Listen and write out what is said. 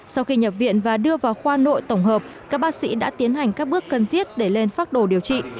sau khi nhập viện và đưa vào khoa nội tổng hợp các bác sĩ đã tiến hành các bước cần thiết để lên phác đồ điều trị